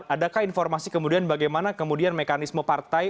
adakah informasi kemudian bagaimana kemudian mekanisme partai